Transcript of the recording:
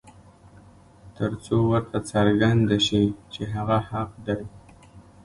تر څو ورته څرګنده شي چې هغه حق دى.